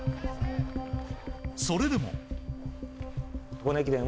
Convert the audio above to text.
それでも。